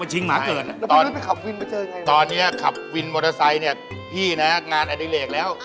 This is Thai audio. ชิงหมาเกิดนะตอนนี้ขับวินมอเตอร์ไซค์เนี่ยพี่นะงานอดิเลกแล้ว